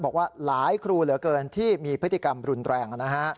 บอกว่าหลายครูเหลือเกินที่มีพฤติกรรมรุนแรงนะฮะ